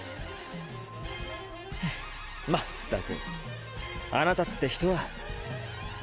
フッまったくあなたって人は。